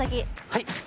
はい。